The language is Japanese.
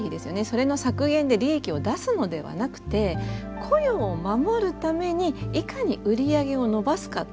それの削減で利益を出すのではなくて雇用を守るためにいかに売り上げを伸ばすか。